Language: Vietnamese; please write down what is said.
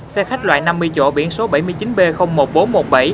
xe khách loại năm mươi chỗ biển số bảy mươi chín b một nghìn bốn trăm một mươi bảy